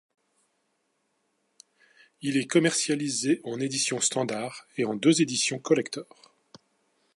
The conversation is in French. Il est commercialisé en édition standard et en deux éditions collectors.